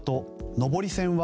上り線は